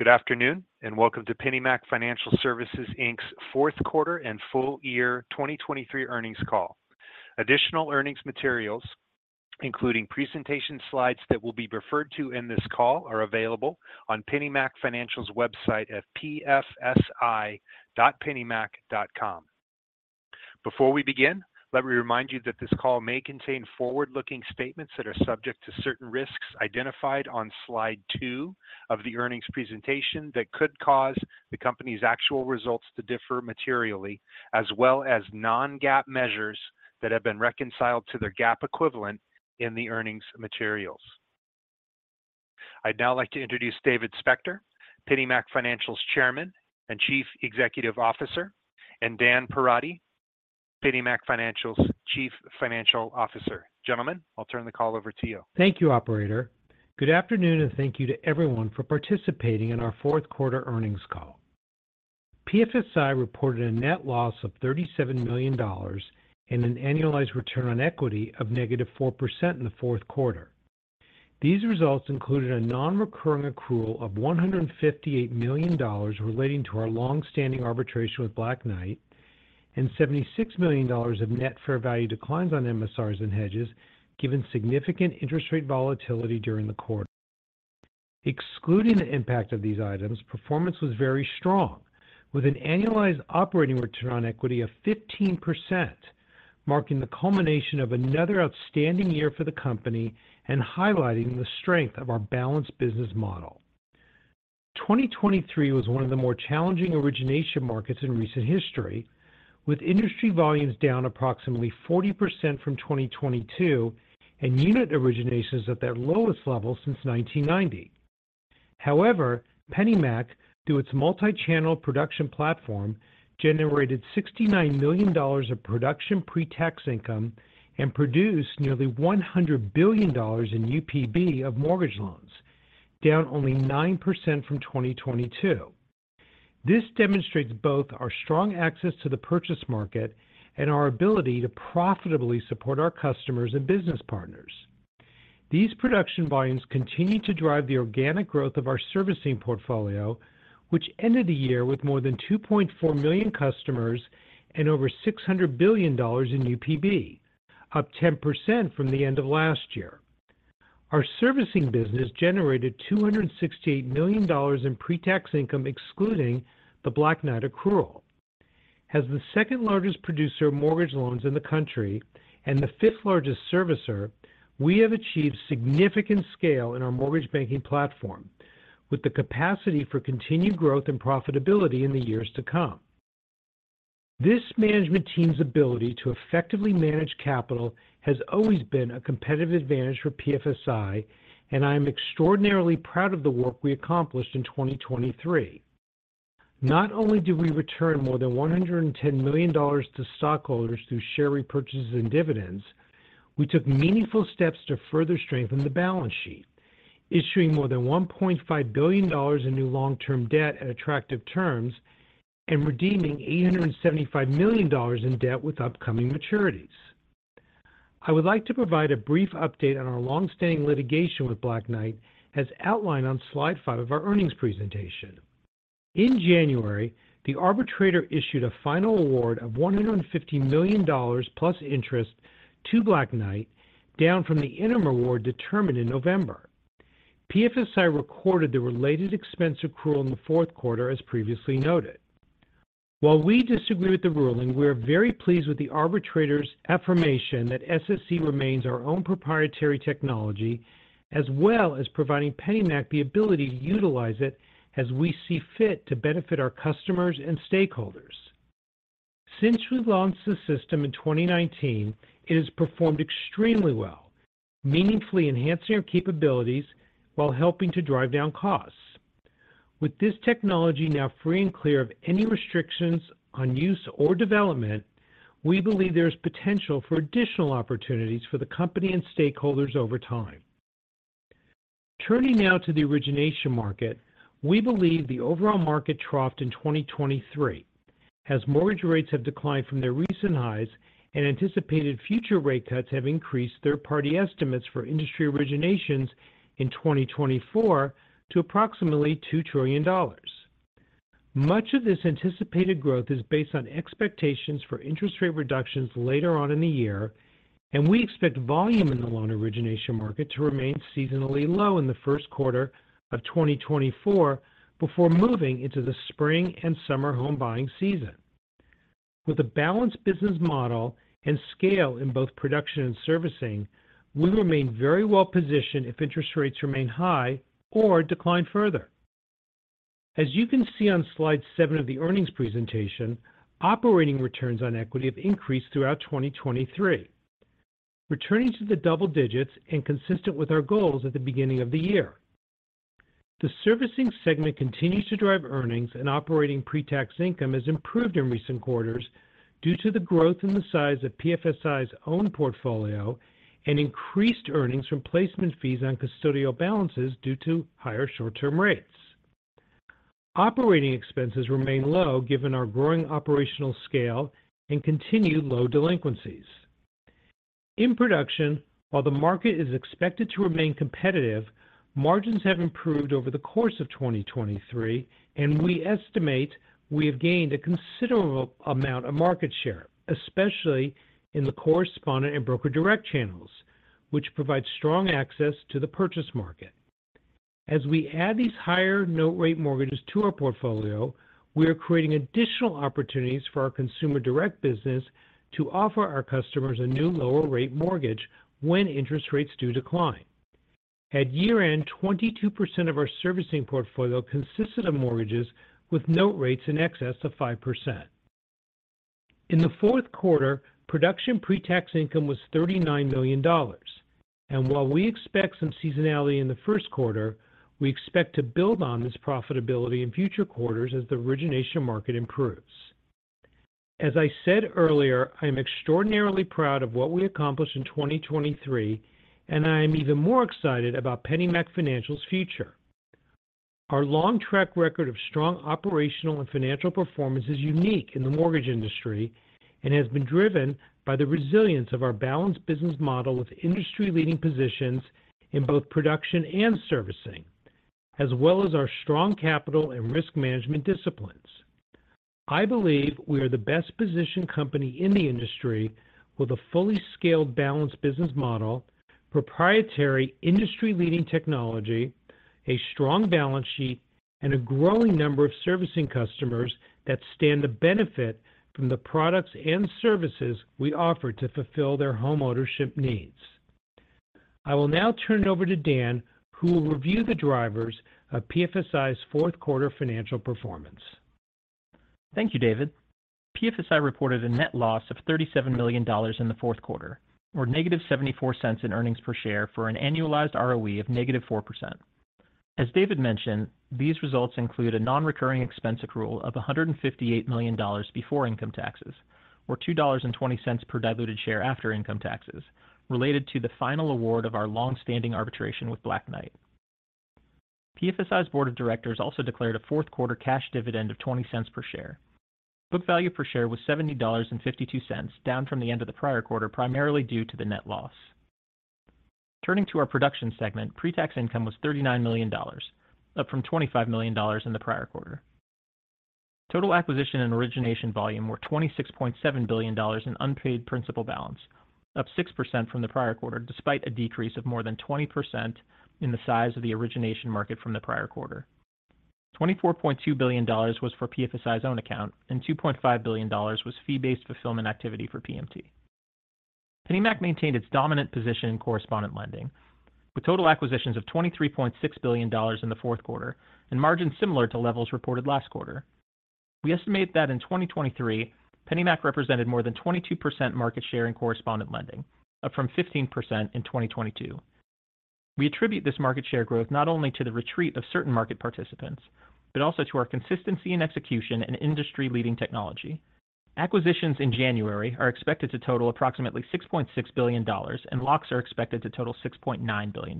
Good afternoon, and welcome to PennyMac Financial Services Inc's Fourth Quarter and Full Year 2023 Earnings Call. Additional earnings materials, including presentation slides that will be referred to in this call, are available on PennyMac Financial's website at pfsi.pennymac.com. Before we begin, let me remind you that this call may contain forward-looking statements that are subject to certain risks identified on slide 2 of the earnings presentation that could cause the company's actual results to differ materially, as well as non-GAAP measures that have been reconciled to their GAAP equivalent in the earnings materials. I'd now like to introduce David Spector, PennyMac Financial's Chairman and Chief Executive Officer, and Dan Perotti, PennyMac Financial's Chief Financial Officer. Gentlemen, I'll turn the call over to you. Thank you, operator. Good afternoon, and thank you to everyone for participating in our fourth quarter earnings call. PFSI reported a net loss of $37 million and an annualized return on equity of -4% in the fourth quarter. These results included a non-recurring accrual of $158 million relating to our long-standing arbitration with Black Knight and $76 million of net fair value declines on MSRs and hedges, given significant interest rate volatility during the quarter. Excluding the impact of these items, performance was very strong, with an annualized operating return on equity of 15%, marking the culmination of another outstanding year for the company and highlighting the strength of our balanced business model. 2023 was one of the more challenging origination markets in recent history, with industry volumes down approximately 40% from 2022 and unit originations at their lowest level since 1990. However, PennyMac, through its multi-channel production platform, generated $69 million of production pre-tax income and produced nearly $100 billion in UPB of mortgage loans, down only 9% from 2022. This demonstrates both our strong access to the purchase market and our ability to profitably support our customers and business partners. These production volumes continue to drive the organic growth of our servicing portfolio, which ended the year with more than 2.4 million customers and over $600 billion in UPB, up 10% from the end of last year. Our servicing business generated $268 million in pre-tax income, excluding the Black Knight accrual. As the second-largest producer of mortgage loans in the country and the fifth-largest servicer, we have achieved significant scale in our mortgage banking platform, with the capacity for continued growth and profitability in the years to come. This management team's ability to effectively manage capital has always been a competitive advantage for PFSI, and I am extraordinarily proud of the work we accomplished in 2023. Not only did we return more than $110 million to stockholders through share repurchases and dividends, we took meaningful steps to further strengthen the balance sheet, issuing more than $1.5 billion in new long-term debt at attractive terms and redeeming $875 million in debt with upcoming maturities. I would like to provide a brief update on our long-standing litigation with Black Knight, as outlined on slide 5 of our earnings presentation. In January, the arbitrator issued a final award of $150 million plus interest to Black Knight, down from the interim award determined in November. PFSI recorded the related expense accrual in the fourth quarter, as previously noted. While we disagree with the ruling, we are very pleased with the arbitrator's affirmation that SSE remains our own proprietary technology, as well as providing PennyMac the ability to utilize it as we see fit to benefit our customers and stakeholders. Since we launched the system in 2019, it has performed extremely well, meaningfully enhancing our capabilities while helping to drive down costs. With this technology now free and clear of any restrictions on use or development, we believe there is potential for additional opportunities for the company and stakeholders over time. Turning now to the origination market, we believe the overall market troughed in 2023, as mortgage rates have declined from their recent highs and anticipated future rate cuts have increased third-party estimates for industry originations in 2024 to approximately $2 trillion. Much of this anticipated growth is based on expectations for interest rate reductions later on in the year, and we expect volume in the loan origination market to remain seasonally low in the first quarter of 2024 before moving into the spring and summer home buying season. With a balanced business model and scale in both production and servicing, we remain very well positioned if interest rates remain high or decline further. As you can see on slide seven of the earnings presentation, operating returns on equity have increased throughout 2023, returning to the double digits and consistent with our goals at the beginning of the year. The servicing segment continues to drive earnings and operating pre-tax income has improved in recent quarters due to the growth in the size of PFSI's own portfolio and increased earnings from placement fees on custodial balances due to higher short-term rates. Operating expenses remain low, given our growing operational scale and continued low delinquencies. In production, while the market is expected to remain competitive, margins have improved over the course of 2023, and we estimate we have gained a considerable amount of market share, especially in the correspondent and Broker Direct channels, which provide strong access to the purchase market. As we add these higher note rate mortgages to our portfolio, we are creating additional opportunities for our Consumer Direct business to offer our customers a new lower rate mortgage when interest rates do decline. At year-end, 22% of our servicing portfolio consisted of mortgages with note rates in excess of 5%. In the fourth quarter, production pre-tax income was $39 million, and while we expect some seasonality in the first quarter, we expect to build on this profitability in future quarters as the origination market improves. As I said earlier, I am extraordinarily proud of what we accomplished in 2023, and I am even more excited about PennyMac Financial's future. Our long track record of strong operational and financial performance is unique in the mortgage industry and has been driven by the resilience of our balanced business model with industry-leading positions in both production and servicing, as well as our strong capital and risk management disciplines. I believe we are the best-positioned company in the industry with a fully scaled, balanced business model, proprietary industry-leading technology, a strong balance sheet, and a growing number of servicing customers that stand to benefit from the products and services we offer to fulfill their homeownership needs. I will now turn it over to Dan, who will review the drivers of PFSI's fourth quarter financial performance. Thank you, David. PFSI reported a net loss of $37 million in the fourth quarter, or negative $0.74 in earnings per share for an annualized ROE of -4%. As David mentioned, these results include a non-recurring expense accrual of $158 million before income taxes, or $2.20 per diluted share after income taxes, related to the final award of our long-standing arbitration with Black Knight. PFSI's Board of Directors also declared a fourth quarter cash dividend of $0.20 per share. Book value per share was $70.52, down from the end of the prior quarter, primarily due to the net loss. Turning to our production segment, pre-tax income was $39 million, up from $25 million in the prior quarter. Total acquisition and origination volume were $26.7 billion in unpaid principal balance, up 6% from the prior quarter, despite a decrease of more than 20% in the size of the origination market from the prior quarter. $24.2 billion was for PFSI's own account, and $2.5 billion was fee-based fulfillment activity for PMT. PennyMac maintained its dominant position in correspondent lending, with total acquisitions of $23.6 billion in the fourth quarter and margins similar to levels reported last quarter. We estimate that in 2023, PennyMac represented more than 22% market share in correspondent lending, up from 15% in 2022. We attribute this market share growth not only to the retreat of certain market participants, but also to our consistency in execution and industry-leading technology. Acquisitions in January are expected to total approximately $6.6 billion, and locks are expected to total $6.9 billion.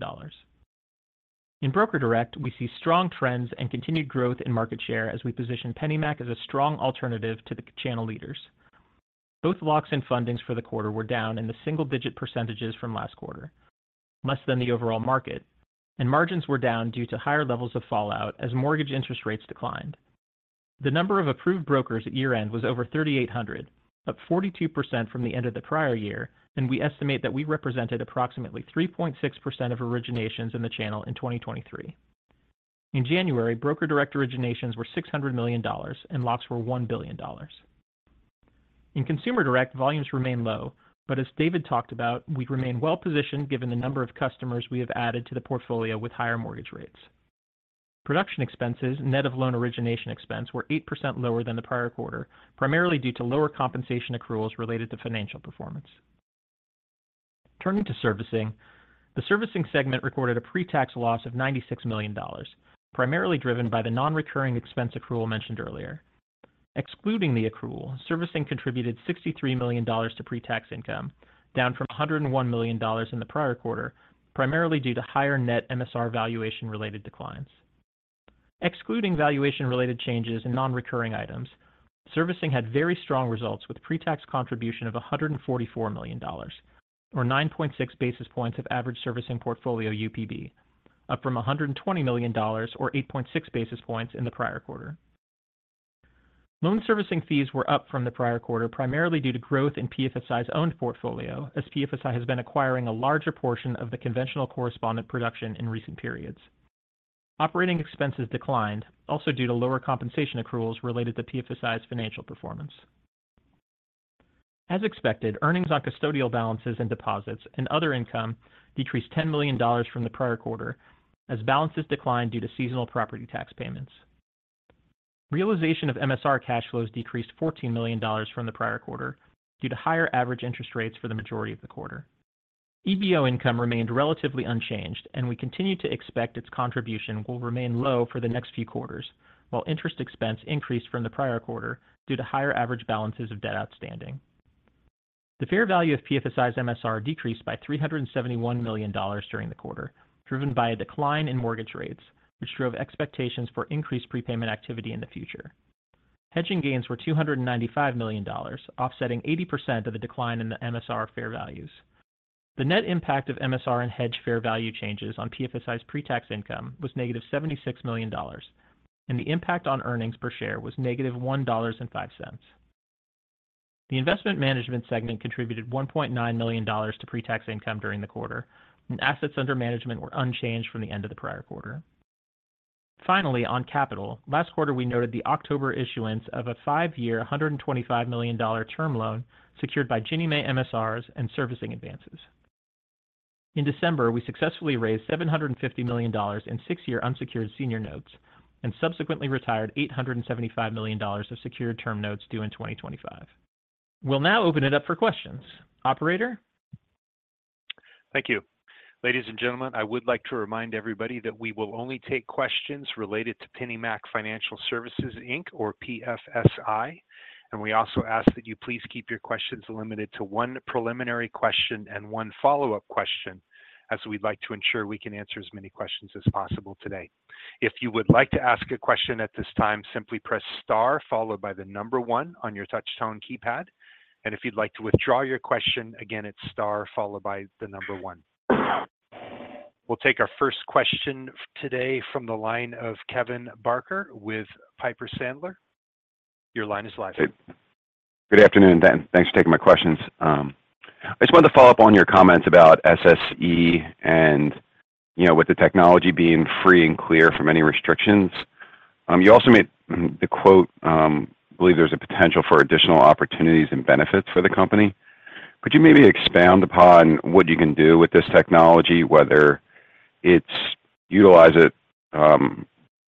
In Broker Direct, we see strong trends and continued growth in market share as we position PennyMac as a strong alternative to the channel leaders. Both locks and fundings for the quarter were down in the single-digit percentages from last quarter, less than the overall market, and margins were down due to higher levels of fallout as mortgage interest rates declined. The number of approved brokers at year-end was over 3,800, up 42% from the end of the prior year, and we estimate that we represented approximately 3.6% of originations in the channel in 2023. In January, Broker Direct originations were $600 million, and locks were $1 billion. In Consumer Direct, volumes remain low, but as David talked about, we remain well-positioned given the number of customers we have added to the portfolio with higher mortgage rates. Production expenses, net of loan origination expense, were 8% lower than the prior quarter, primarily due to lower compensation accruals related to financial performance. Turning to servicing, the servicing segment recorded a pre-tax loss of $96 million, primarily driven by the non-recurring expense accrual mentioned earlier. Excluding the accrual, servicing contributed $63 million to pre-tax income, down from $101 million in the prior quarter, primarily due to higher net MSR valuation-related declines. Excluding valuation-related changes and non-recurring items, servicing had very strong results, with pre-tax contribution of $144 million, or 9.6 basis points of average servicing portfolio UPB, up from $120 million, or 8.6 basis points in the prior quarter. Loan servicing fees were up from the prior quarter, primarily due to growth in PFSI's own portfolio, as PFSI has been acquiring a larger portion of the conventional correspondent production in recent periods. Operating expenses declined, also due to lower compensation accruals related to PFSI's financial performance. As expected, earnings on custodial balances and deposits and other income decreased $10 million from the prior quarter as balances declined due to seasonal property tax payments. Realization of MSR cash flows decreased $14 million from the prior quarter due to higher average interest rates for the majority of the quarter. EPO income remained relatively unchanged, and we continue to expect its contribution will remain low for the next few quarters, while interest expense increased from the prior quarter due to higher average balances of debt outstanding. The fair value of PFSI's MSR decreased by $371 million during the quarter, driven by a decline in mortgage rates, which drove expectations for increased prepayment activity in the future. Hedging gains were $295 million, offsetting 80% of the decline in the MSR fair values. The net impact of MSR and hedge fair value changes on PFSI's pre-tax income was -$76 million, and the impact on earnings per share was -$1.05. The investment management segment contributed $1.9 million to pre-tax income during the quarter, and assets under management were unchanged from the end of the prior quarter. Finally, on capital, last quarter, we noted the October issuance of a five-year, $125 million term loan secured by Ginnie Mae MSRs and servicing advances. In December, we successfully raised $750 million in six-year unsecured senior notes and subsequently retired $875 million of secured term notes due in 2025. We'll now open it up for questions. Operator? Thank you. Ladies and gentlemen, I would like to remind everybody that we will only take questions related to PennyMac Financial Services Inc., or PFSI, and we also ask that you please keep your questions limited to one preliminary question and one follow-up question, as we'd like to ensure we can answer as many questions as possible today. If you would like to ask a question at this time, simply press star followed by the number one on your touchtone keypad, and if you'd like to withdraw your question, again, it's star followed by the number one. We'll take our first question today from the line of Kevin Barker with Piper Sandler. Your line is live. Good afternoon, Dan. Thanks for taking my questions. I just wanted to follow up on your comments about SSE and, you know, with the technology being free and clear from any restrictions. You also made the quote, "I believe there's a potential for additional opportunities and benefits for the company." Could you maybe expand upon what you can do with this technology, whether it's utilize it,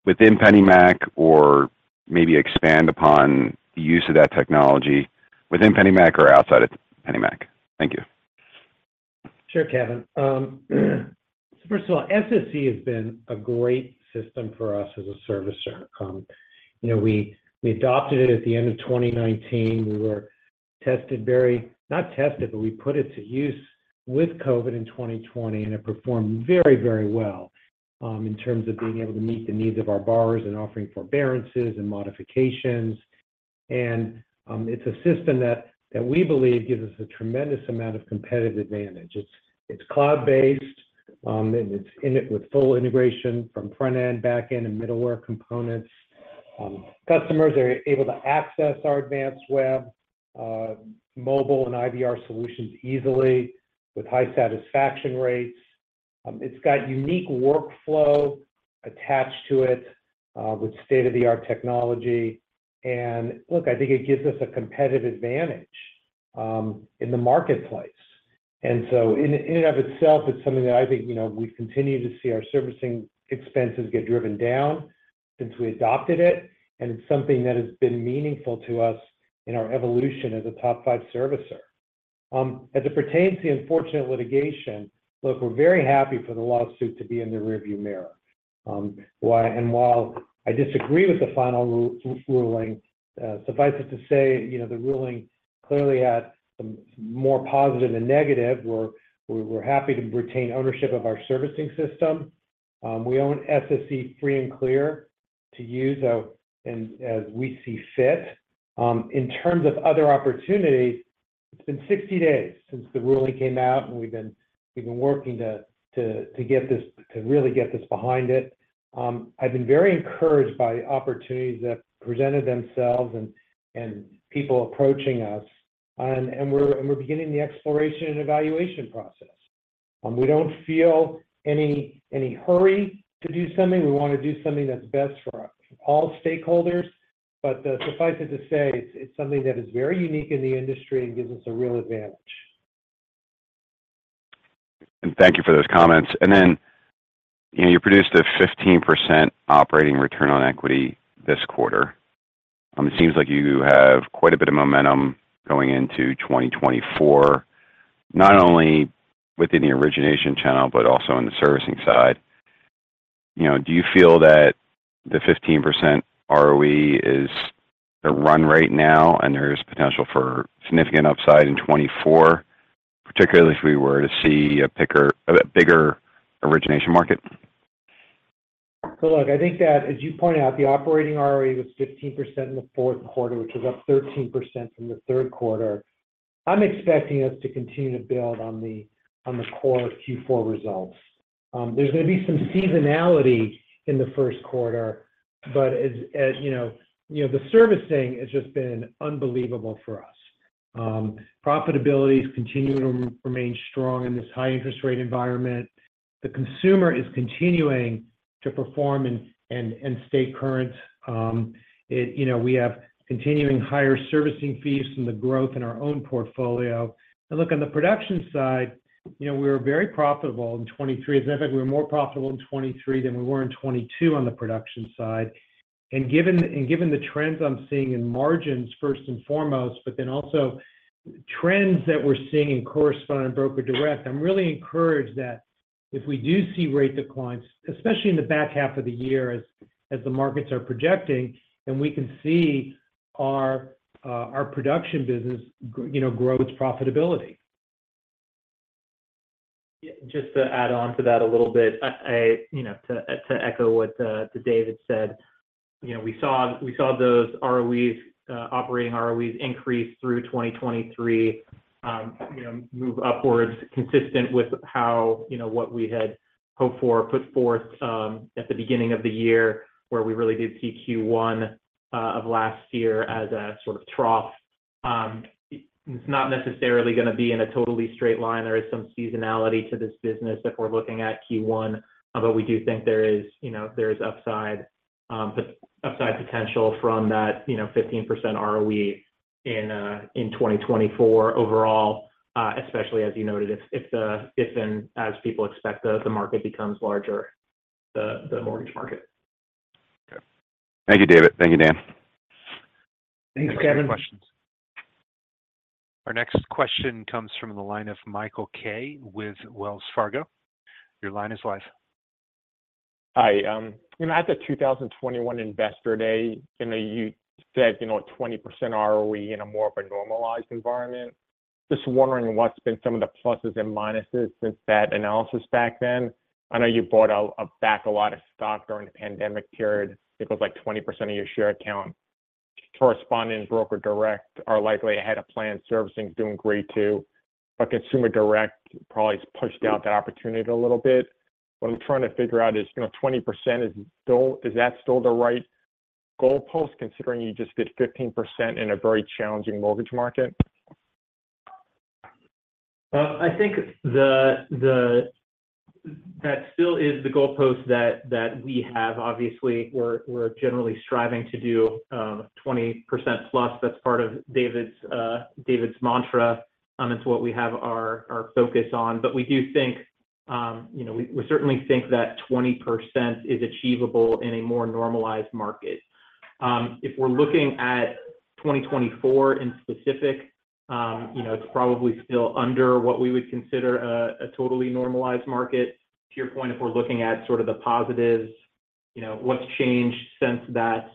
within PennyMac or maybe expand upon the use of that technology within PennyMac or outside of PennyMac? Thank you. Sure, Kevin. First of all, SSE has been a great system for us as a servicer. You know, we adopted it at the end of 2019. We were not tested, but we put it to use with COVID in 2020, and it performed very, very well in terms of being able to meet the needs of our borrowers and offering forbearances and modifications. It's a system that we believe gives us a tremendous amount of competitive advantage. It's cloud-based, and it's in it with full integration from front end, back end, and middleware components. Customers are able to access our advanced web, mobile, and IVR solutions easily with high satisfaction rates. It's got unique workflow attached to it with state-of-the-art technology. And look, I think it gives us a competitive advantage in the marketplace. And so in and of itself, it's something that I think, you know, we continue to see our servicing expenses get driven down since we adopted it, and it's something that has been meaningful to us in our evolution as a top five servicer. As it pertains to the unfortunate litigation, look, we're very happy for the lawsuit to be in the rearview mirror. And while I disagree with the final ruling, suffice it to say, you know, the ruling clearly had some more positive than negative. We're happy to retain ownership of our servicing system. We own SSE free and clear to use and as we see fit. In terms of other opportunities, it's been 60 days since the ruling came out, and we've been working to get this- to really get this behind it. I've been very encouraged by opportunities that presented themselves and people approaching us, and we're beginning the exploration and evaluation process. We don't feel any hurry to do something. We want to do something that's best for all stakeholders. But suffice it to say, it's something that is very unique in the industry and gives us a real advantage. And thank you for those comments. And then, you know, you produced a 15% operating return on equity this quarter. It seems like you have quite a bit of momentum going into 2024, not only within the origination channel, but also on the servicing side. You know, do you feel that the 15% ROE is the run rate now, and there is potential for significant upside in 2024, particularly if we were to see a picker... a bigger origination market? So look, I think that, as you pointed out, the operating ROE was 15% in the fourth quarter, which is up 13% from the third quarter. I'm expecting us to continue to build on the core of Q4 results. There's going to be some seasonality in the first quarter, but as you know, the servicing has just been unbelievable for us. Profitability is continuing to remain strong in this high interest rate environment. The consumer is continuing to perform and stay current. It, you know, we have continuing higher servicing fees from the growth in our own portfolio. And look, on the production side, you know, we were very profitable in 2023. As a matter of fact, we were more profitable in 2023 than we were in 2022 on the production side. And given the trends I'm seeing in margins, first and foremost, but then also trends that we're seeing in correspondent Broker Direct, I'm really encouraged that if we do see rate declines, especially in the back half of the year, as the markets are projecting, then we can see our production business, you know, grow its profitability.... Yeah, just to add on to that a little bit, I you know, to echo what David said, you know, we saw those ROEs operating ROEs increase through 2023. You know, move upwards consistent with how, you know, what we had hoped for, put forth at the beginning of the year, where we really did see Q1 of last year as a sort of trough. It's not necessarily going to be in a totally straight line. There is some seasonality to this business if we're looking at Q1, but we do think there is, you know, there is upside, the upside potential from that, you know, 15% ROE in 2024 overall. Especially as you noted, if and as people expect the mortgage market. Thank you, David. Thank you, Dan. Thanks, Kevin. Questions. Our next question comes from the line of Michael Kaye with Wells Fargo. Your line is live. Hi, you know, at the 2021 Investor Day, you know, you said, you know, 20% ROE in more of a normalized environment. Just wondering what's been some of the pluses and minuses since that analysis back then? I know you bought back a lot of stock during the pandemic period. I think it was like 20% of your share count. Correspondent Broker Direct are likely ahead of plan. Servicing is doing great too, but Consumer Direct probably has pushed out that opportunity a little bit. What I'm trying to figure out is, you know, 20% is still - is that still the right goalpost, considering you just did 15% in a very challenging mortgage market? I think that still is the goalpost that we have. Obviously, we're generally striving to do 20%+. That's part of David's mantra. It's what we have our focus on. But we do think, you know, we certainly think that 20% is achievable in a more normalized market. If we're looking at 2024 in specific, you know, it's probably still under what we would consider a totally normalized market. To your point, if we're looking at sort of the positives, you know, what's changed since that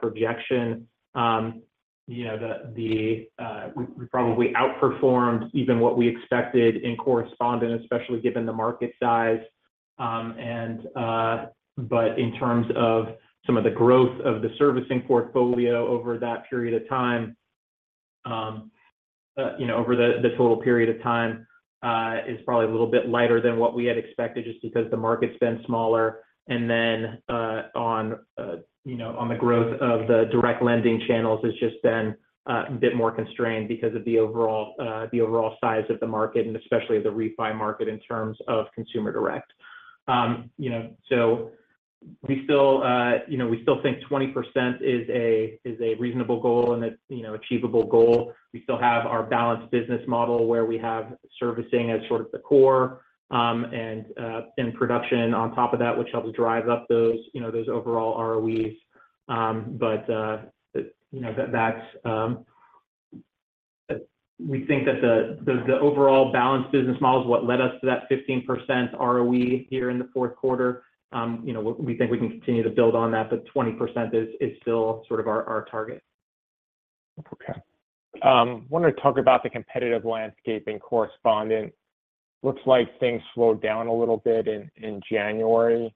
projection, you know, we probably outperformed even what we expected in correspondent, especially given the market size. but in terms of some of the growth of the servicing portfolio over that period of time, you know, over the total period of time, is probably a little bit lighter than what we had expected, just because the market's been smaller. Then, you know, on the growth of the direct lending channels has just been a bit more constrained because of the overall size of the market, and especially the refi market in terms of Consumer Direct. You know, so we still think 20% is a reasonable goal and a, you know, achievable goal. We still have our balanced business model, where we have servicing as sort of the core, and production on top of that, which helps drive up those, you know, those overall ROEs. But you know, we think that the overall balanced business model is what led us to that 15% ROE here in the fourth quarter. You know, we think we can continue to build on that, but 20% is still sort of our target. Okay. Wanted to talk about the competitive landscape in correspondent. Looks like things slowed down a little bit in January,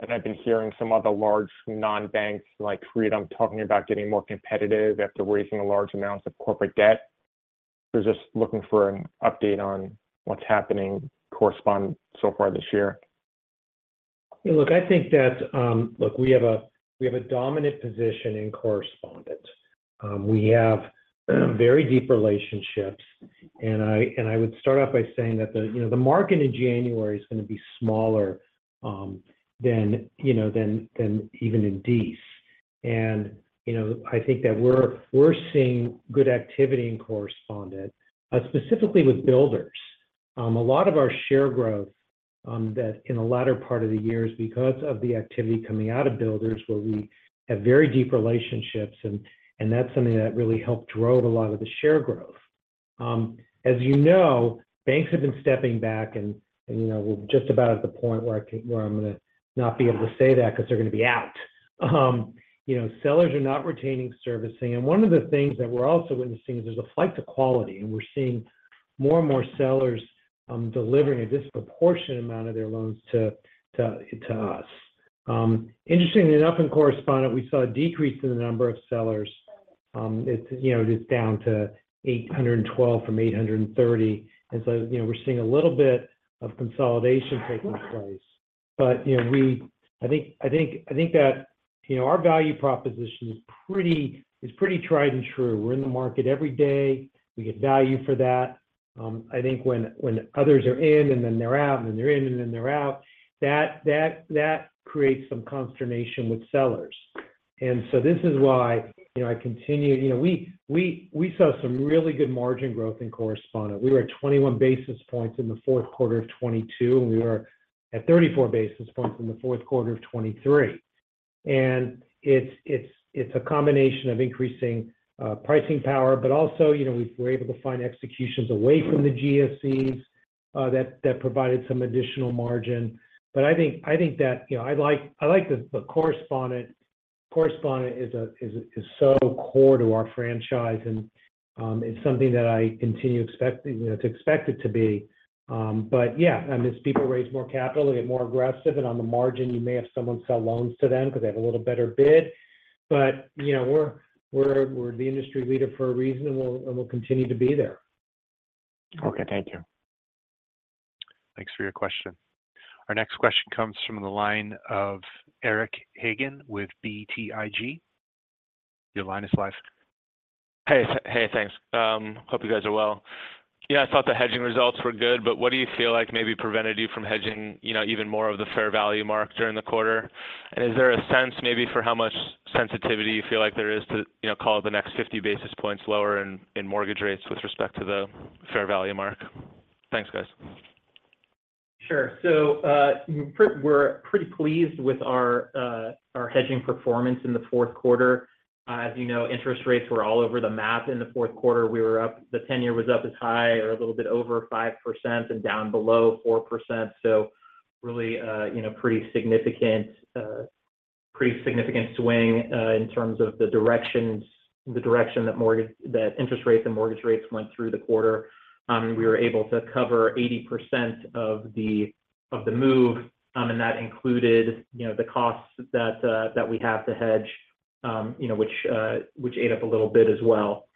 and I've been hearing some of the large non-banks, like Freedom, talking about getting more competitive after raising large amounts of corporate debt. So just looking for an update on what's happening in correspondent so far this year. Look, I think that, Look, we have a dominant position in correspondent. We have very deep relationships, and I would start off by saying that the, you know, the market in January is going to be smaller, you know, than even in December. And, you know, I think that we're seeing good activity in correspondent, specifically with builders. A lot of our share growth that in the latter part of the year is because of the activity coming out of builders, where we have very deep relationships, and that's something that really helped drove a lot of the share growth. As you know, banks have been stepping back and, and, you know, we're just about at the point where I'm going to not be able to say that because they're going to be out. You know, sellers are not retaining servicing. And one of the things that we're also witnessing is there's a flight to quality, and we're seeing more and more sellers delivering a disproportionate amount of their loans to us. Interestingly enough, in correspondent, we saw a decrease in the number of sellers. It's, you know, it is down to 812 from 830. And so, you know, we're seeing a little bit of consolidation taking place. But, you know, I think that, you know, our value proposition is pretty tried and true. We're in the market every day. We get value for that. I think when, when others are in, and then they're out, and then they're in, and then they're out, that, that, that creates some consternation with sellers. And so this is why, you know, I continue—you know, we saw some really good margin growth in correspondent. We were at 21 basis points in the fourth quarter of 2022, and we were at 34 basis points in the fourth quarter of 2023. And it's a combination of increasing pricing power, but also, you know, we were able to find executions away from the GSEs, that, that provided some additional margin. But I think that, you know, I like the correspondent- ...correspondent is so core to our franchise, and it's something that I continue to expect it to be. But yeah, and as people raise more capital, they get more aggressive, and on the margin, you may have someone sell loans to them because they have a little better bid. But, you know, we're the industry leader for a reason, and we'll continue to be there. Okay. Thank you. Thanks for your question. Our next question comes from the line of Eric Hagen with BTIG. Your line is live. Hey, hey, thanks. Hope you guys are well. Yeah, I thought the hedging results were good, but what do you feel like maybe prevented you from hedging, you know, even more of the fair value mark during the quarter? And is there a sense maybe for how much sensitivity you feel like there is to, you know, call it the next 50 basis points lower in mortgage rates with respect to the fair value mark? Thanks, guys. Sure. So, we're pretty pleased with our hedging performance in the fourth quarter. As you know, interest rates were all over the map in the fourth quarter. We were up, the ten-year was up as high or a little bit over 5% and down below 4%. So really, you know, pretty significant swing in terms of the direction that interest rates and mortgage rates went through the quarter. We were able to cover 80% of the move, and that included, you know, the costs that we have to hedge, you know, which ate up a little bit as well.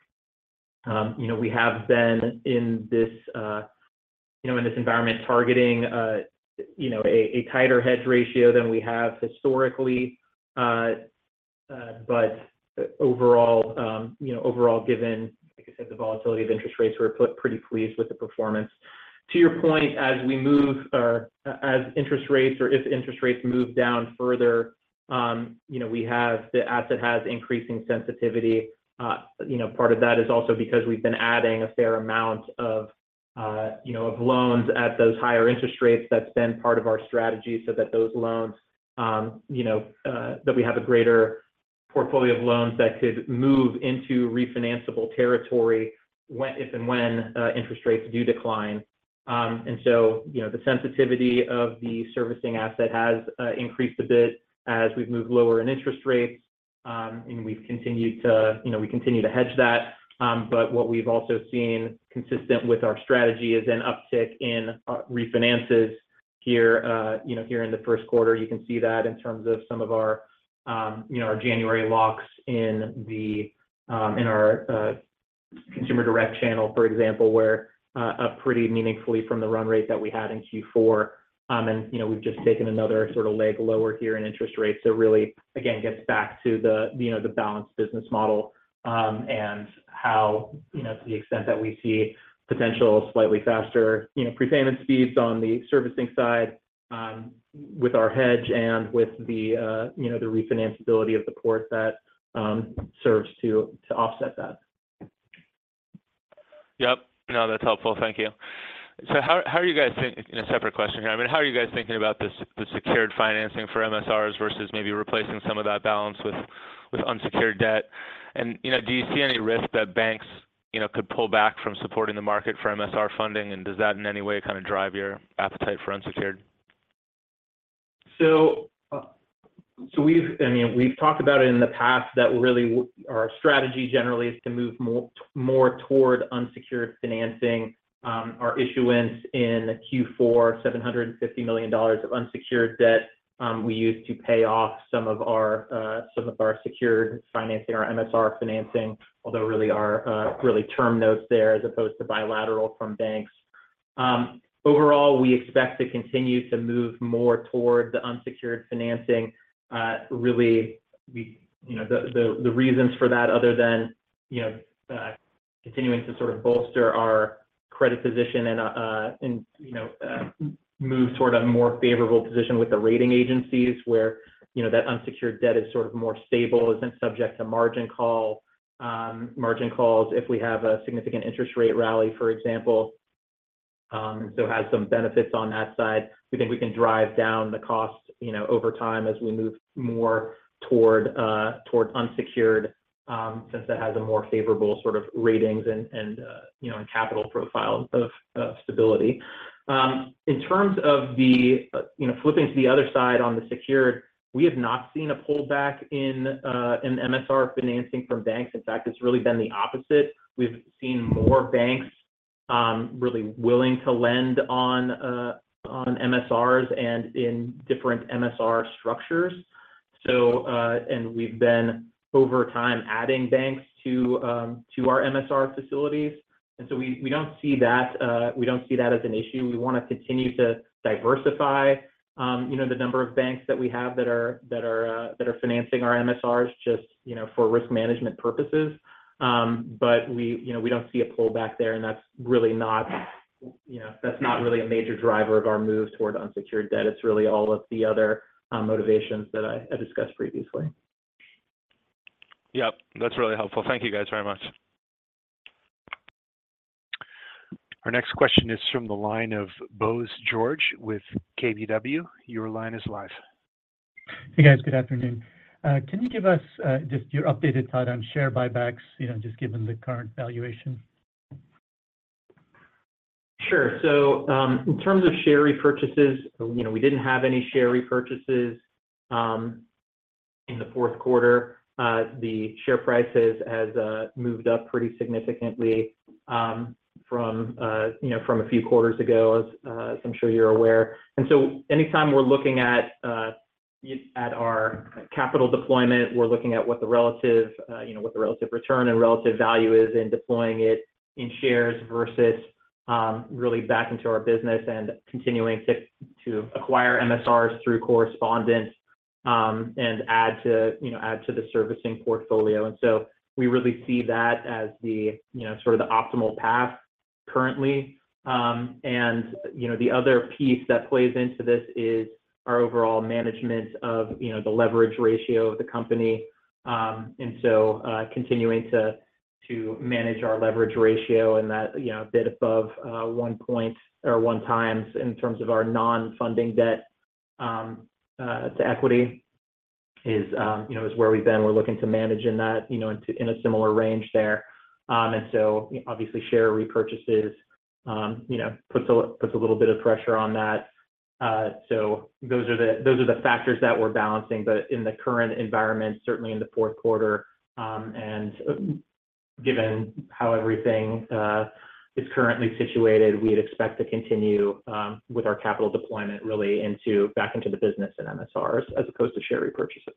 You know, we have been in this, you know, in this environment targeting, you know, a tighter hedge ratio than we have historically. But overall, you know, overall, given, like I said, the volatility of interest rates, we're pretty pleased with the performance. To your point, as we move or as interest rates or if interest rates move down further, you know, the asset has increasing sensitivity. You know, part of that is also because we've been adding a fair amount of, you know, of loans at those higher interest rates. That's been part of our strategy so that those loans, you know, that we have a greater portfolio of loans that could move into refinanceable territory if and when interest rates do decline. And so, you know, the sensitivity of the servicing asset has increased a bit as we've moved lower in interest rates, and we've continued to... You know, we continue to hedge that. But what we've also seen, consistent with our strategy, is an uptick in refinances here, you know, here in the first quarter. You can see that in terms of some of our, you know, our January locks in our Consumer Direct channel, for example, were up pretty meaningfully from the run rate that we had in Q4. And, you know, we've just taken another sort of leg lower here in interest rates. So really, again, gets back to the, you know, the balanced business model, and how, you know, to the extent that we see potential slightly faster, you know, prepayment speeds on the servicing side, with our hedge and with the, you know, the refinance ability of the portfolio that serves to offset that. Yep. No, that's helpful. Thank you. So how are you guys thinking and a separate question here. I mean, how are you guys thinking about the secured financing for MSRs versus maybe replacing some of that balance with unsecured debt? And, you know, do you see any risk that banks, you know, could pull back from supporting the market for MSR funding? And does that in any way kind of drive your appetite for unsecured? So, we've talked about it in the past, I mean, that really our strategy generally is to move more toward unsecured financing. Our issuance in Q4, $750 million of unsecured debt, we used to pay off some of our secured financing, our MSR financing, although really our term notes there as opposed to bilateral from banks. Overall, we expect to continue to move more toward the unsecured financing. Really, we... You know, the reasons for that, other than, you know, continuing to sort of bolster our credit position and, and, you know, move toward a more favorable position with the rating agencies, where, you know, that unsecured debt is sort of more stable and isn't subject to margin call, margin calls, if we have a significant interest rate rally, for example. So it has some benefits on that side. We think we can drive down the costs, you know, over time as we move more toward, toward unsecured, since that has a more favorable sort of ratings and, and, you know, and capital profile of, of stability. In terms of the, you know, flipping to the other side on the secured, we have not seen a pullback in, in MSR financing from banks. In fact, it's really been the opposite. We've seen more banks, really willing to lend on, on MSRs and in different MSR structures. So, and we've been, over time, adding banks to, to our MSR facilities, and so we, we don't see that, we don't see that as an issue. We want to continue to diversify, you know, the number of banks that we have that are, that are, that are financing our MSRs, just, you know, for risk management purposes. But we, you know, we don't see a pullback there, and that's really not, you know, that's not really a major driver of our move toward unsecured debt. It's really all of the other, motivations that I, I discussed previously. Yep, that's really helpful. Thank you, guys, very much. Our next question is from the line of Bose George with KBW. Your line is live. Hey, guys. Good afternoon. Can you give us just your updated thought on share buybacks, you know, just given the current valuation?... Sure. So, in terms of share repurchases, you know, we didn't have any share repurchases in the fourth quarter. The share prices has moved up pretty significantly from you know, from a few quarters ago, as I'm sure you're aware. And so anytime we're looking at our capital deployment, we're looking at what the relative you know, what the relative return and relative value is in deploying it in shares versus really back into our business and continuing to acquire MSRs through correspondent and add to you know, add to the servicing portfolio. And so we really see that as the you know, sort of the optimal path currently. And you know, the other piece that plays into this is our overall management of you know, the leverage ratio of the company. And so, continuing to manage our leverage ratio and that, you know, a bit above 1x in terms of our non-funding debt to equity is, you know, where we've been. We're looking to manage in that, you know, in a similar range there. And so obviously, share repurchases, you know, puts a little bit of pressure on that. So those are the factors that we're balancing. But in the current environment, certainly in the fourth quarter, and given how everything is currently situated, we'd expect to continue with our capital deployment really back into the business and MSRs as opposed to share repurchases.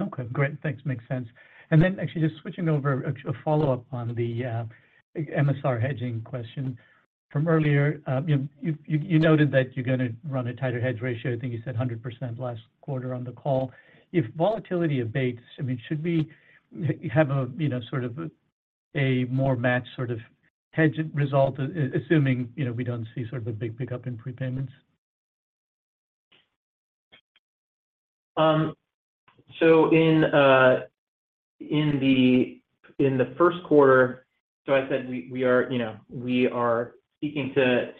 Okay, great. Thanks. Makes sense. And then actually just switching over a follow-up on the MSR hedging question from earlier. You noted that you're going to run a tighter hedge ratio. I think you said 100% last quarter on the call. If volatility abates, I mean, should we have a, you know, sort of a more matched sort of hedge result, assuming, you know, we don't see sort of a big pickup in prepayments? So in the first quarter. So I said we are, you know, we are seeking to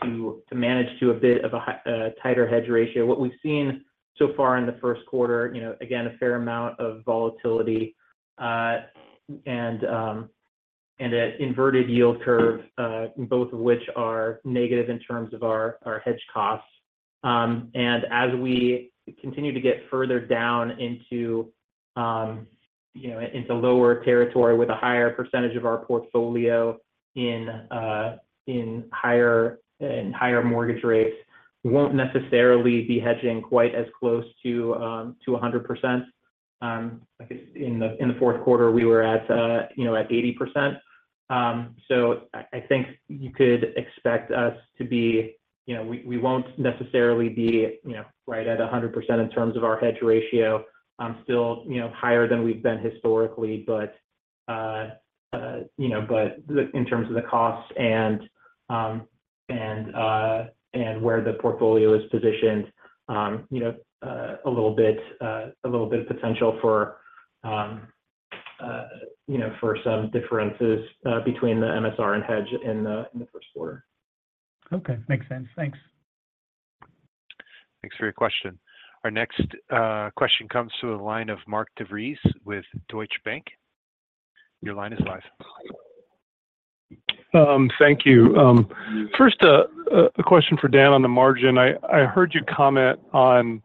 manage to a bit of a tighter hedge ratio. What we've seen so far in the first quarter, you know, again, a fair amount of volatility and an inverted yield curve, both of which are negative in terms of our hedge costs. And as we continue to get further down into, you know, into lower territory with a higher percentage of our portfolio in higher mortgage rates, won't necessarily be hedging quite as close to 100%. I guess in the fourth quarter, we were at, you know, at 80%. So I think you could expect us to be, you know, we won't necessarily be, you know, right at 100% in terms of our hedge ratio. Still, you know, higher than we've been historically, but the-- in terms of the costs and where the portfolio is positioned, you know, a little bit, a little bit of potential for, you know, for some differences between the MSR and hedge in the first quarter. Okay. Makes sense. Thanks. Thanks for your question. Our next question comes to the line of Mark DeVries with Deutsche Bank. Your line is live. Thank you. First, a question for Dan on the margin. I heard you comment on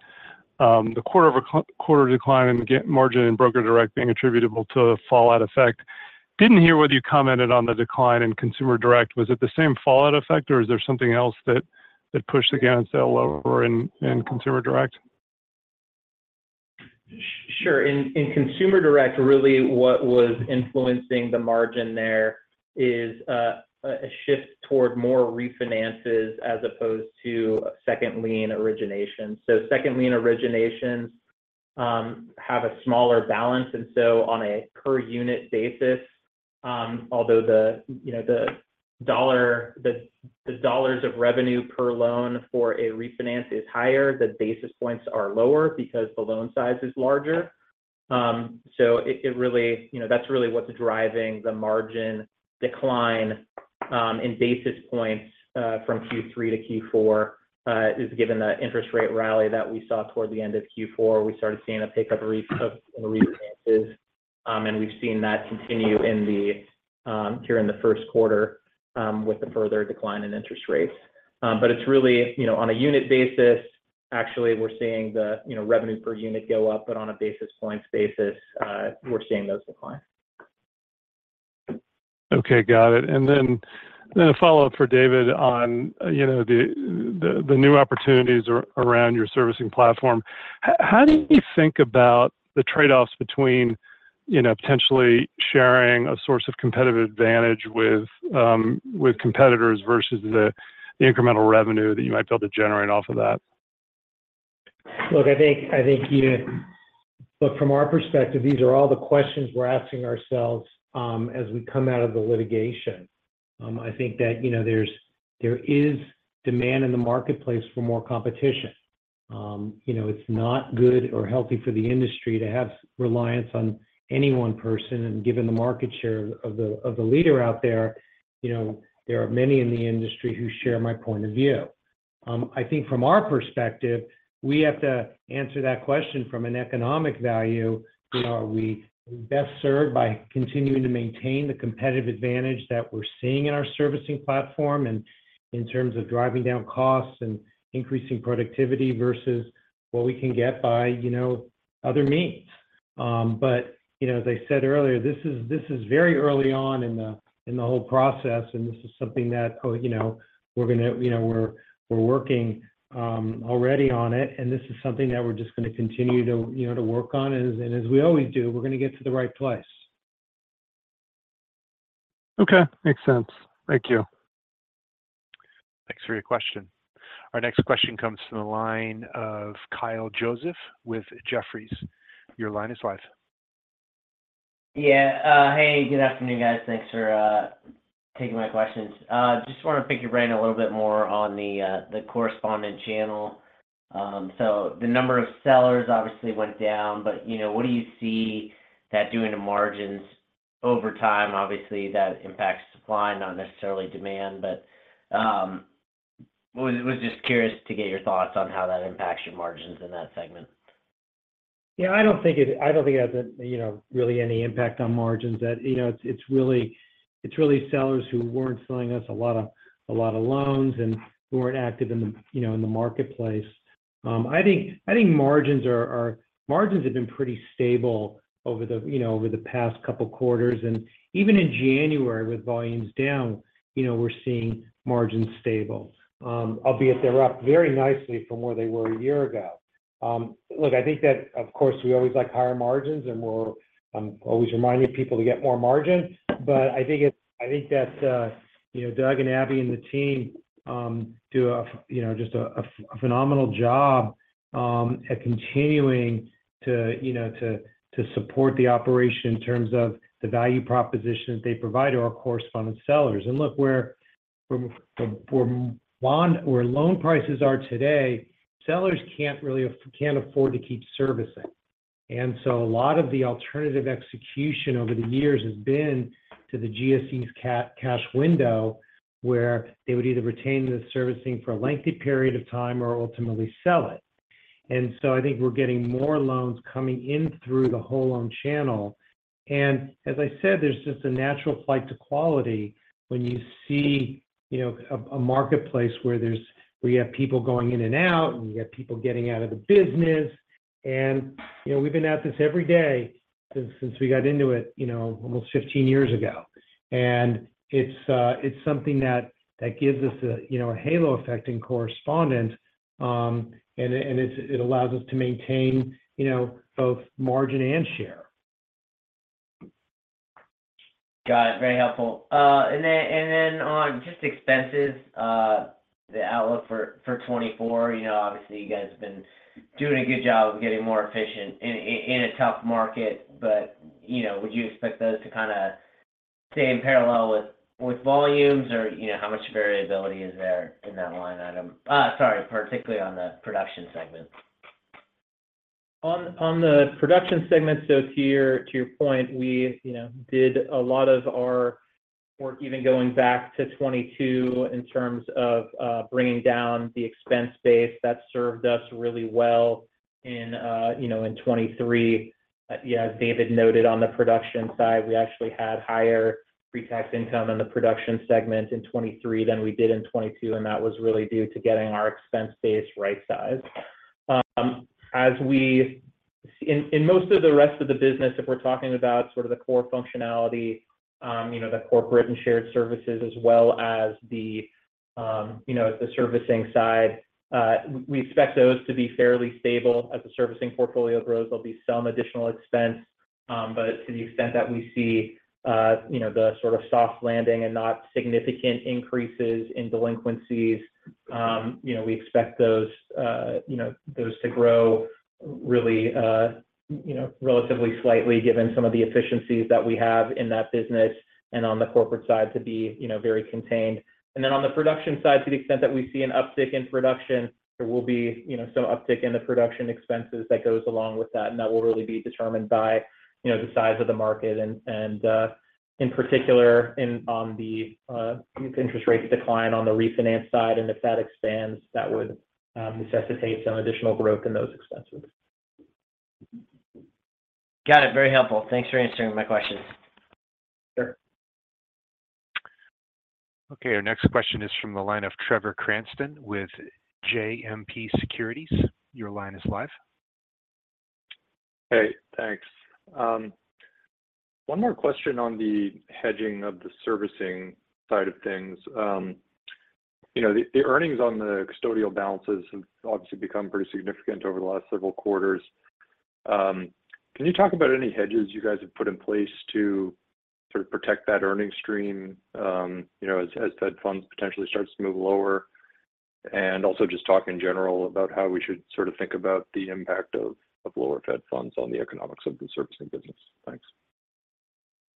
the quarter-over-quarter decline in the margin and Broker Direct being attributable to the fallout effect. Didn't hear whether you commented on the decline in Consumer Direct. Was it the same fallout effect, or is there something else that pushed the gain on sale lower in Consumer Direct? Sure. In Consumer Direct, really what was influencing the margin there is a shift toward more refinances as opposed to second lien origination. So second lien originations have a smaller balance, and so on a per unit basis, although you know, the dollars of revenue per loan for a refinance is higher, the basis points are lower because the loan size is larger. So it really, you know, that's really what's driving the margin decline in basis points from Q3-Q4 is given the interest rate rally that we saw toward the end of Q4, we started seeing a pickup in refinances, and we've seen that continue here in the first quarter with the further decline in interest rates. But it's really, you know, on a unit basis, actually, we're seeing the, you know, revenue per unit go up, but on a basis points basis, we're seeing those decline. Okay, got it. And then a follow-up for David on, you know, the new opportunities around your servicing platform. How do you think about the trade-offs between, you know, potentially sharing a source of competitive advantage with competitors versus the incremental revenue that you might be able to generate off of that? Look, I think, you know... Look, from our perspective, these are all the questions we're asking ourselves, as we come out of the litigation. I think that, you know, there is demand in the marketplace for more competition. You know, it's not good or healthy for the industry to have reliance on any one person, and given the market share of the leader out there, you know, there are many in the industry who share my point of view.... I think from our perspective, we have to answer that question from an economic value. You know, are we best served by continuing to maintain the competitive advantage that we're seeing in our servicing platform, and in terms of driving down costs and increasing productivity, versus what we can get by, you know, other means? But, you know, as I said earlier, this is very early on in the whole process, and this is something that, you know, we're gonna—you know, we're working already on it, and this is something that we're just gonna continue to, you know, work on. And as we always do, we're gonna get to the right place. Okay. Makes sense. Thank you. Thanks for your question. Our next question comes from the line of Kyle Joseph with Jefferies. Your line is live. Yeah. Hey, good afternoon, guys. Thanks for taking my questions. Just want to pick your brain a little bit more on the correspondent channel. So the number of sellers obviously went down, but, you know, what do you see that doing to margins over time? Obviously, that impacts supply, not necessarily demand, but was just curious to get your thoughts on how that impacts your margins in that segment. Yeah, I don't think it has a, you know, really any impact on margins. That, you know, it's really sellers who weren't selling us a lot of loans and who weren't active in the, you know, in the marketplace. I think margins have been pretty stable over the, you know, over the past couple quarters. And even in January, with volumes down, you know, we're seeing margins stable. Albeit they're up very nicely from where they were a year ago. Look, I think that, of course, we always like higher margins, and we're always reminding people to get more margins. But I think it's. I think that, you know, Doug and Abbie and the team do a, you know, just a phenomenal job at continuing to, you know, support the operation in terms of the value proposition they provide to our correspondent sellers. And look, from where loan prices are today, sellers can't really afford to keep servicing. And so a lot of the alternative execution over the years has been to the GSEs' cash window, where they would either retain the servicing for a lengthy period of time or ultimately sell it. And so I think we're getting more loans coming in through the whole loan channel. And as I said, there's just a natural flight to quality when you see, you know, a marketplace where you have people going in and out, and you have people getting out of the business. And, you know, we've been at this every day since we got into it, you know, almost 15 years ago. And it's something that gives us a, you know, a halo effect in correspondent. And it allows us to maintain, you know, both margin and share. Got it. Very helpful. And then on just expenses, the outlook for 2024, you know, obviously, you guys have been doing a good job of getting more efficient in a tough market, but, you know, would you expect those to kind of stay in parallel with volumes? Or, you know, how much variability is there in that line item, sorry, particularly on the production segment? On the production segment, so to your point, we, you know, did a lot of our work, even going back to 2022 in terms of bringing down the expense base. That served us really well in, you know, in 2023. Yeah, as David noted on the production side, we actually had higher pre-tax income in the production segment in 2023 than we did in 2022, and that was really due to getting our expense base right-sized. In most of the rest of the business, if we're talking about sort of the core functionality, you know, the corporate and shared services as well as the, you know, the servicing side, we expect those to be fairly stable. As the servicing portfolio grows, there'll be some additional expense, but to the extent that we see, you know, the sort of soft landing and not significant increases in delinquencies, you know, we expect those, you know, those to grow really, you know, relatively slightly, given some of the efficiencies that we have in that business and on the corporate side to be, you know, very contained. And then on the production side, to the extent that we see an uptick in production, there will be, you know, some uptick in the production expenses that goes along with that, and that will really be determined by, you know, the size of the market and in the interest rate decline on the refinance side. And if that expands, that would necessitate some additional growth in those expenses. Got it. Very helpful. Thanks for answering my questions. Sure. Okay, our next question is from the line of Trevor Cranston with JMP Securities. Your line is live. Hey, thanks. One more question on the hedging of the servicing side of things. You know, the earnings on the custodial balances have obviously become pretty significant over the last several quarters. Can you talk about any hedges you guys have put in place to sort of protect that earnings stream, you know, as Fed Funds potentially starts to move lower? And also just talk in general about how we should sort of think about the impact of lower Fed Funds on the economics of the servicing business. Thanks.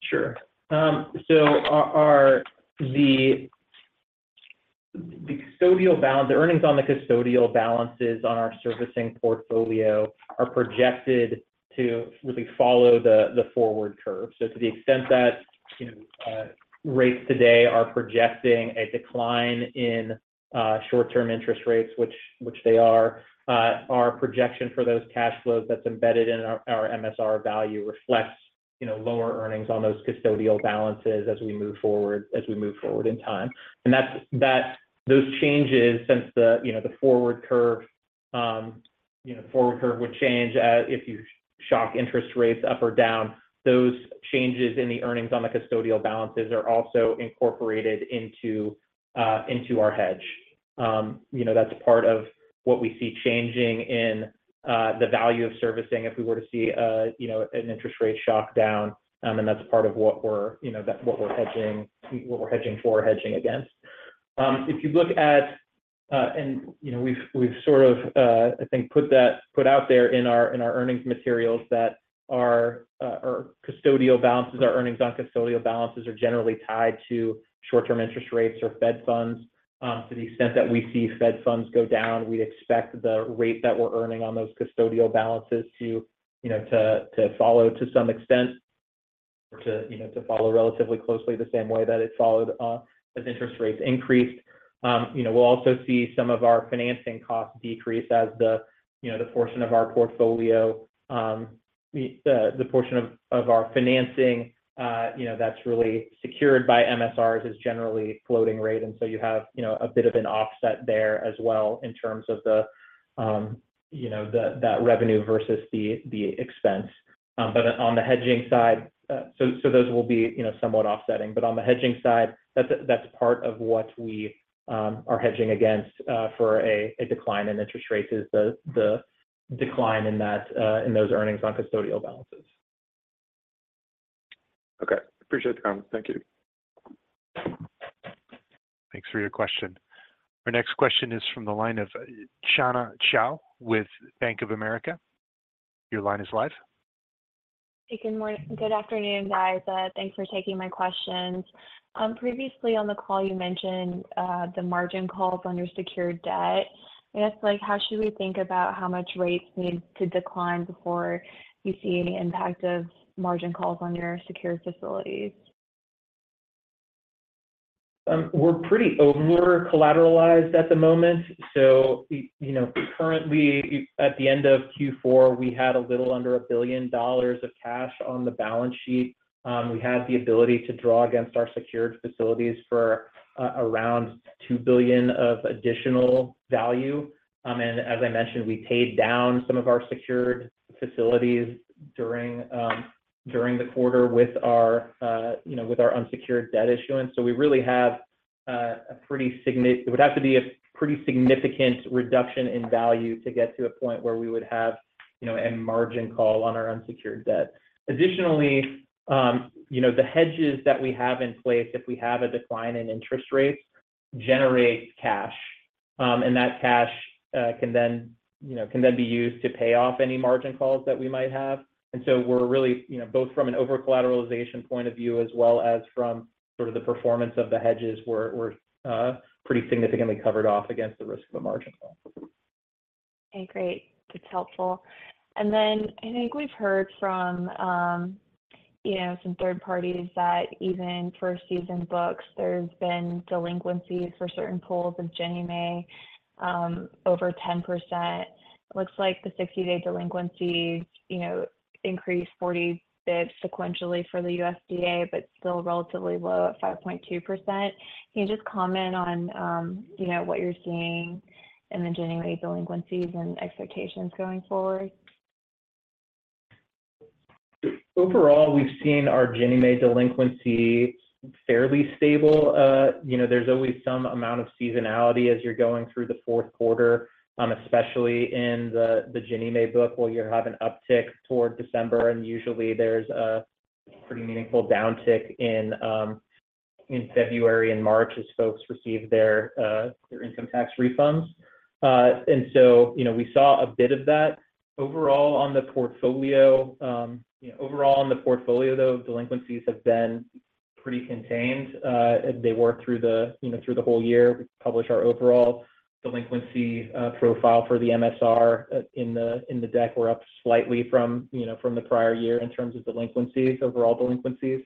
Sure. So our custodial balance, the earnings on the custodial balances on our servicing portfolio are projected to really follow the forward curve. So to the extent that, you know, rates today are projecting a decline in short-term interest rates, which they are, our projection for those cash flows that's embedded in our MSR value reflects, you know, lower earnings on those custodial balances as we move forward in time. And that's those changes since the forward curve would change if you shock interest rates up or down. Those changes in the earnings on the custodial balances are also incorporated into our hedge. You know, that's part of what we see changing in the value of servicing if we were to see a, you know, an interest rate shock down. That's part of what we're, you know, that's what we're hedging, what we're hedging for, hedging against. If you look at, you know, we've sort of, I think, put out there in our earnings materials that our custodial balances, our earnings on custodial balances are generally tied to short-term interest rates or Fed funds. To the extent that we see Fed funds go down, we'd expect the rate that we're earning on those custodial balances to, you know, to follow, to some extent, to follow relatively closely the same way that it followed as interest rates increased. You know, we'll also see some of our financing costs decrease as the, you know, the portion of our portfolio, the portion of our financing, you know, that's really secured by MSRs is generally floating rate. And so you have, you know, a bit of an offset there as well in terms of the, you know, that revenue versus the expense. But on the hedging side, so those will be, you know, somewhat offsetting. But on the hedging side, that's part of what we are hedging against, for a decline in interest rates, is the decline in that, in those earnings on custodial balances. Okay. Appreciate the comment. Thank you. Thanks for your question. Our next question is from the line of Shana Chow with Bank of America. Your line is live. Hey, good morning—good afternoon, guys. Thanks for taking my questions. Previously on the call, you mentioned the margin calls on your secured debt. I guess, like, how should we think about how much rates need to decline before you see any impact of margin calls on your secured facilities? We're pretty overcollateralized at the moment, so we, you know, currently, at the end of Q4, we had a little under $1 billion of cash on the balance sheet. We had the ability to draw against our secured facilities for around $2 billion of additional value. And as I mentioned, we paid down some of our secured facilities during the quarter with our, you know, with our unsecured debt issuance. So we really have a pretty. It would have to be a pretty significant reduction in value to get to a point where we would have, you know, a margin call on our unsecured debt. Additionally, you know, the hedges that we have in place, if we have a decline in interest rates, generates cash, and that cash can then, you know, be used to pay off any margin calls that we might have. And so we're really, you know, both from an overcollateralization point of view, as well as from sort of the performance of the hedges, we're pretty significantly covered off against the risk of a margin call. Okay, great. That's helpful. And then I think we've heard from, you know, some third parties that even first season books, there's been delinquencies for certain pools of Ginnie Mae, over 10%. It looks like the 60-day delinquencies, you know, increased 40 basis points sequentially for the USDA, but still relatively low at 5.2%. Can you just comment on, you know, what you're seeing in the Ginnie Mae delinquencies and expectations going forward? Overall, we've seen our Ginnie Mae delinquency fairly stable. You know, there's always some amount of seasonality as you're going through the fourth quarter, especially in the Ginnie Mae book, where you have an uptick toward December, and usually there's a pretty meaningful downtick in February and March as folks receive their income tax refunds. And so, you know, we saw a bit of that. Overall, on the portfolio, you know, overall, on the portfolio, though, delinquencies have been pretty contained, as they were through the, you know, through the whole year. We publish our overall delinquency profile for the MSR in the deck. We're up slightly from, you know, from the prior year in terms of delinquencies, overall delinquencies.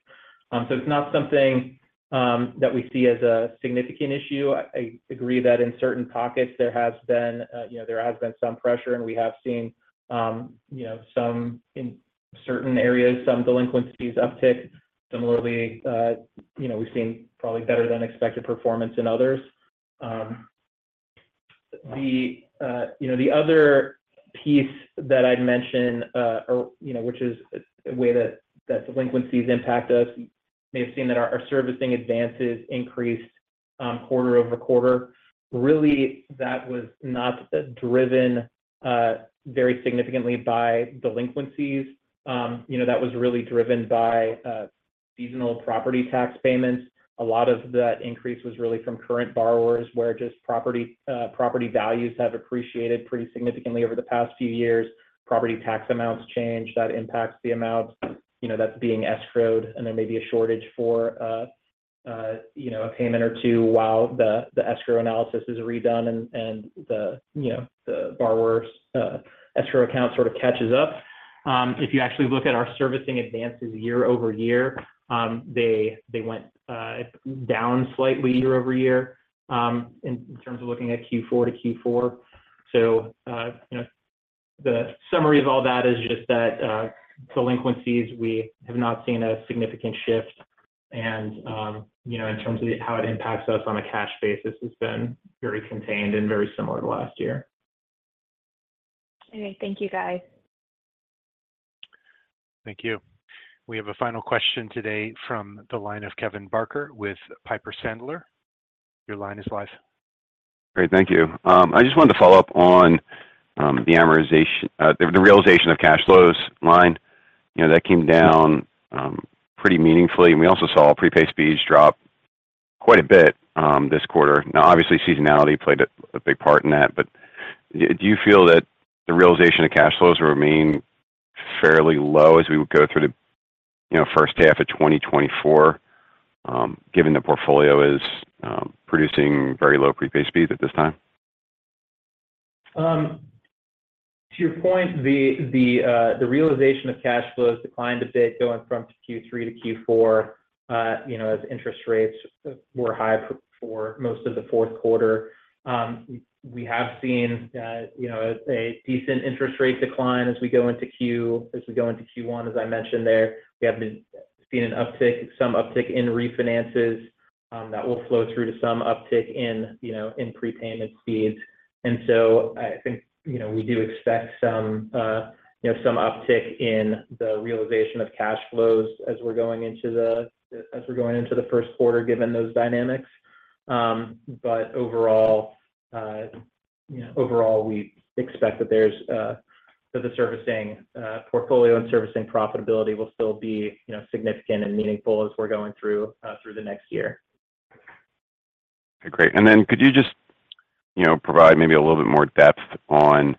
So it's not something that we see as a significant issue. I agree that in certain pockets, there has been, you know, some pressure, and we have seen, you know, some in certain areas, some delinquencies uptick. Similarly, you know, we've seen probably better than expected performance in others. The other piece that I'd mention, or, you know, which is a way that delinquencies impact us, you may have seen that our servicing advances increased quarter-over-quarter. Really, that was not driven very significantly by delinquencies. You know, that was really driven by seasonal property tax payments. A lot of that increase was really from current borrowers, where just property values have appreciated pretty significantly over the past few years. Property tax amounts change, that impacts the amount, you know, that's being escrowed, and there may be a shortage for, you know, a payment or two while the escrow analysis is redone and the, you know, the borrower's escrow account sort of catches up. If you actually look at our servicing advances year-over-year, they went down slightly year-over-year, in terms of looking at Q4 to Q4. So, you know, the summary of all that is just that, delinquencies, we have not seen a significant shift. And, you know, in terms of how it impacts us on a cash basis, it's been very contained and very similar to last year. Okay. Thank you, guys. Thank you. We have a final question today from the line of Kevin Barker with Piper Sandler. Your line is live. Great, thank you. I just wanted to follow up on the amortization—the realization of cash flows line. You know, that came down pretty meaningfully, and we also saw prepaid speeds drop quite a bit this quarter. Now, obviously, seasonality played a big part in that, but do you feel that the realization of cash flows will remain fairly low as we go through the first half of 2024, you know, given the portfolio is producing very low prepaid speeds at this time? To your point, the realization of cash flows declined a bit going from Q3-Q4, you know, as interest rates were high for most of the fourth quarter. We have seen, you know, a decent interest rate decline as we go into Q1, as I mentioned there. We have seen an uptick, some uptick in refinances, that will flow through to some uptick in, you know, in prepayment speeds. And so I think, you know, we do expect some, you know, some uptick in the realization of cash flows as we're going into the, as we're going into the first quarter, given those dynamics. But overall, you know, overall, we expect that there's, that the servicing portfolio and servicing profitability will still be, you know, significant and meaningful as we're going through, through the next year. Great. And then could you just, you know, provide maybe a little bit more depth on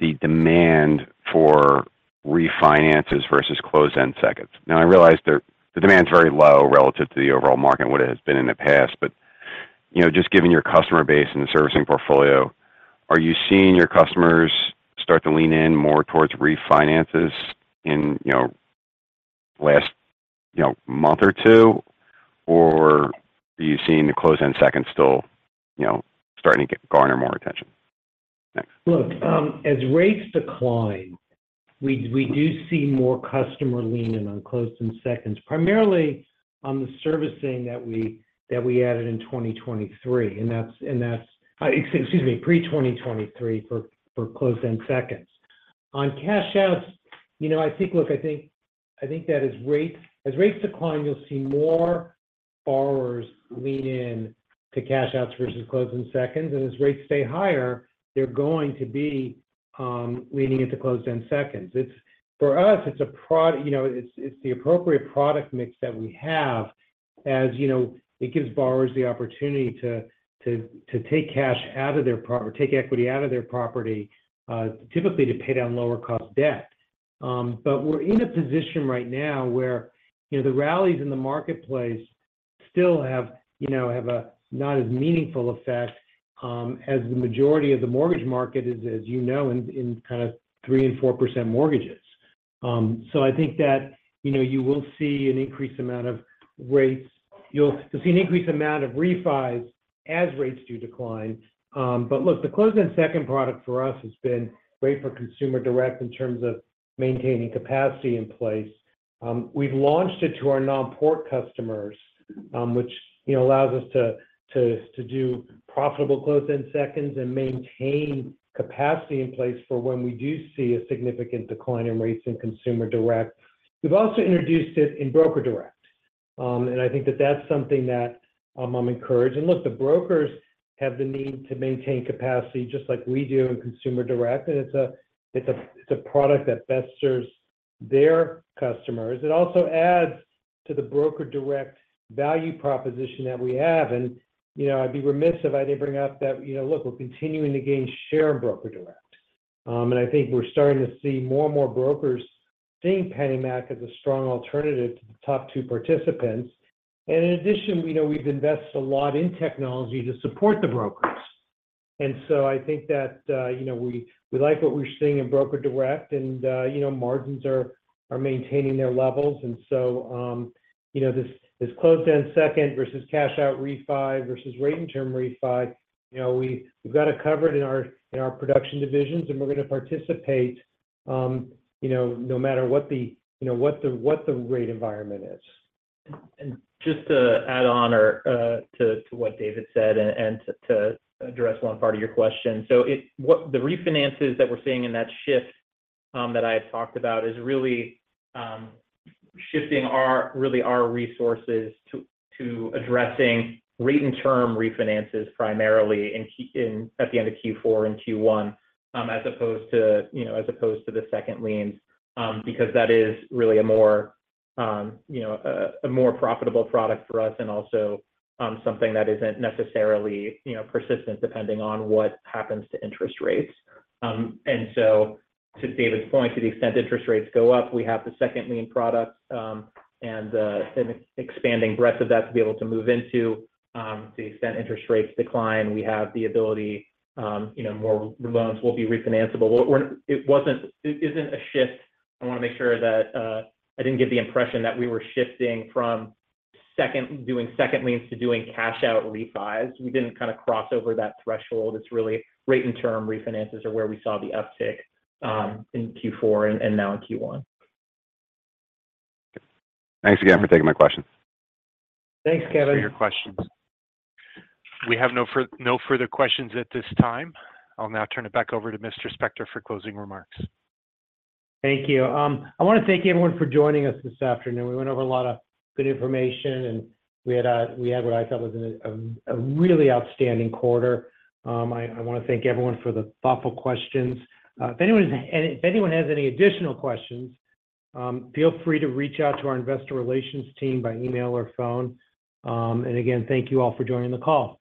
the demand for refinances versus closed-end seconds? Now, I realize the demand is very low relative to the overall market and what it has been in the past, but, you know, just given your customer base and the servicing portfolio, are you seeing your customers start to lean in more towards refinances in, you know, last, you know, month or two? Or are you seeing the closed-end seconds still, you know, starting to garner more attention? Thanks. Look, as rates decline, we do see more customer lean in on closed-end seconds, primarily on the servicing that we added in 2023, and that's pre-2023 for closed-end seconds. On cash outs, you know, I think that as rates decline, you'll see more borrowers lean in to cash outs versus closed-end seconds, and as rates stay higher, they're going to be leaning into closed-end seconds. It's for us, it's a product, you know, it's the appropriate product mix that we have, as you know, it gives borrowers the opportunity to take equity out of their property, typically to pay down lower cost debt. But we're in a position right now where, you know, the rallies in the marketplace still have, you know, have a not as meaningful effect, as the majority of the mortgage market is, as you know, in kind of 3% and 4% mortgages. So I think that, you know, you will see an increased amount of rates. You'll see an increased amount of refis as rates do decline. But look, the closed-end second product for us has been great for Consumer Direct in terms of maintaining capacity in place. We've launched it to our non-port customers, which, you know, allows us to do profitable closed-end seconds and maintain capacity in place for when we do see a significant decline in rates in Consumer Direct. We've also introduced it in Broker Direct, and I think that that's something that I'm encouraged. And look, the brokers have the need to maintain capacity just like we do in Consumer Direct, and it's a, it's a, it's a product that best serves their customers. It also adds to the Broker Direct value proposition that we have. And, you know, I'd be remiss if I didn't bring up that, you know, look, we're continuing to gain share in Broker Direct. And I think we're starting to see more and more brokers seeing PennyMac as a strong alternative to the top two participants. And in addition, we know we've invested a lot in technology to support the brokers. And so I think that, you know, we like what we're seeing in Broker Direct, and, you know, margins are maintaining their levels. And so, you know, this, this closed-end second versus cash out refi versus rate and term refi, you know, we've got it covered in our, in our production divisions, and we're going to participate, you know, no matter what the, you know, what the, what the rate environment is. And just to add on to what David said, and to address one part of your question. So it... what the refinances that we're seeing in that shift that I had talked about is really shifting our really our resources to addressing rate and term refinances, primarily in at the end of Q4 and Q1, as opposed to, you know, as opposed to the second liens, because that is really a more, you know, a more profitable product for us and also something that isn't necessarily, you know, persistent, depending on what happens to interest rates. And so to David's point, to the extent interest rates go up, we have the second lien product, and an expanding breadth of that to be able to move into. To the extent interest rates decline, we have the ability, you know, more loans will be refinanceable. Well, it wasn't, it isn't a shift. I want to make sure that I didn't give the impression that we were shifting from second, doing second liens to doing cash out refis. We didn't kind of cross over that threshold. It's really rate and term refinances are where we saw the uptick in Q4 and now in Q1. Thanks again for taking my question. Thanks, Kevin. Thanks for your questions. We have no further questions at this time. I'll now turn it back over to Mr. Spector for closing remarks. Thank you. I want to thank everyone for joining us this afternoon. We went over a lot of good information, and we had what I thought was a really outstanding quarter. I want to thank everyone for the thoughtful questions. If anyone has any additional questions, feel free to reach out to our investor relations team by email or phone. And again, thank you all for joining the call.